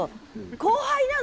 後輩なの？